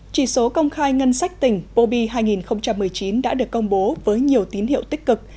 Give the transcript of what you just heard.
chỉ số công khai ngân sách tỉnh pobi hai nghìn một mươi chín đã được công bố với nhiều tín hiệu tích cực